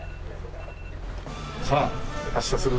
さあ発車するぞ。